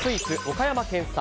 岡山県産